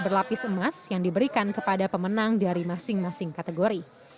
berlapis emas yang diberikan kepada pemenang dari masing masing kategori